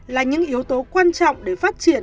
là những yếu tố quan trọng để phát triển